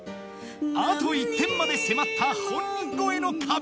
あと１点まで迫った本人超えの壁